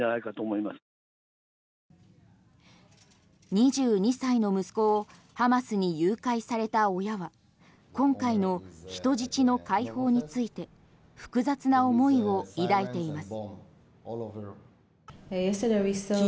２２歳の息子をハマスに誘拐された親は今回の人質の解放について複雑な思いを抱いています。